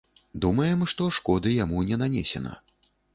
Думаем, што шкоды яму не нанесена.